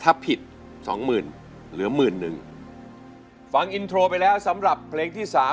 ถ้าผิดสองหมื่นเหลือหมื่นหนึ่งฟังอินโทรไปแล้วสำหรับเพลงที่สาม